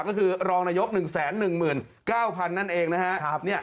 ก็คือรองนายก๑๑๙๐๐นั่นเองนะฮะ